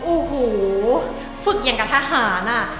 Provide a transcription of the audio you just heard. อู้หูฝึกอย่างกับทหารอะ